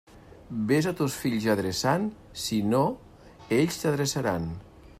Vés a tos fills adreçant, si no, ells t'adreçaran.